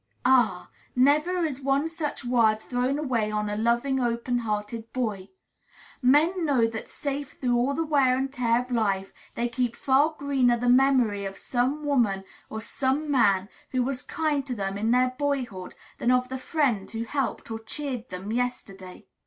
Ah! never is one such word thrown away on a loving, open hearted boy. Men know that safe through all the wear and tear of life they keep far greener the memory of some woman or some man who was kind to them in their boyhood than of the friend who helped or cheered them yesterday.